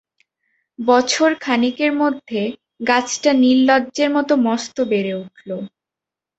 বছরখানেকের মধ্যে গাছটা নির্লজ্জের মতো মস্ত বেড়ে উঠল।